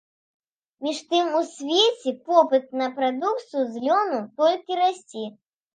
Між тым у свеце попыт на прадукцыю з лёну толькі расце.